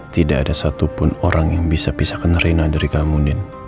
tidak ada satupun orang yang bisa pisahkan rena dari kamudin